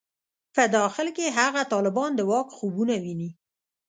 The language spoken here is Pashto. په داخل کې هغه طالبان د واک خوبونه ویني.